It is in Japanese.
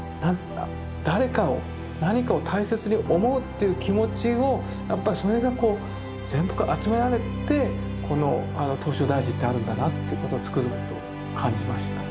誰かを何かを大切に思うっていう気持ちをやっぱりそれがこう全部集められてこの唐招提寺ってあるんだなということをつくづく感じました。